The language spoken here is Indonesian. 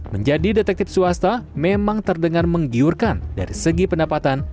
menjadi detektif swasta memang terdengar menggiurkan dari segi pendapatan